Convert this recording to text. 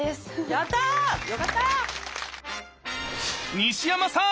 西山さん